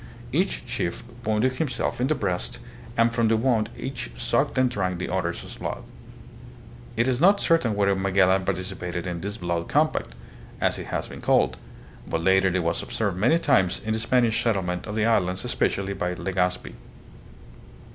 Each chief wounded himself in the breast and from the wound each sucked and drank the other's blood. It is not certain whether Magellan participated in this "blood compact," as it has been called; but later it was observed many times in the Spanish settlement of the islands, especially by Legazpi.